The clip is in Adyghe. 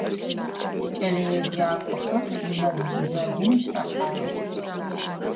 КӀэлэеджакӀохэр мэз гузэгум хэхьагъэх.